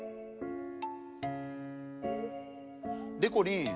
でこりん。